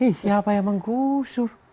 he siapa yang menggusur